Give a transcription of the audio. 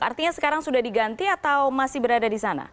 artinya sekarang sudah diganti atau masih berada di sana